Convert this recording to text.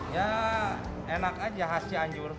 ya enak aja khas cianjur